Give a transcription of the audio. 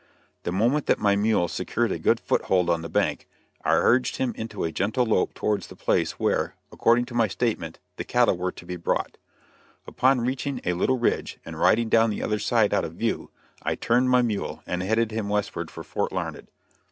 The moment that my mule secured a good foothold on the bank, I urged him into a gentle lope towards the place where, according to my statement, the cattle were to be brought. Upon reaching a little ridge, and riding down the other side out of view, I turned my mule and headed him westward for Fort Larned.